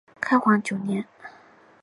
开皇九年。